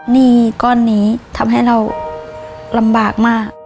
หนี้ก้อนนี้ทำให้เราลำบากมาก